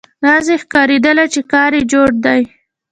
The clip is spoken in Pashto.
داسې ښکارېدله چې کار یې جوړ دی.